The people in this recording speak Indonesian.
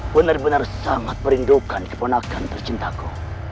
benar benar sangat merindukan keponakan tercintaku